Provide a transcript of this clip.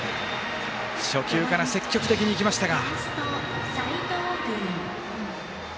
初球から積極的にいきましたが。